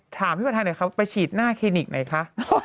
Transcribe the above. ถามพี่ผัทรไทยไหมคะไปฉีดหน้าเฮนิกไหมคะ